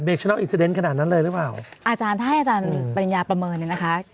มันขนาดนั้นเลยรึเปล่าล่ะ